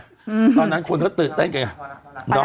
ตอนนั้นคนเขาตื่นเต้นกันไง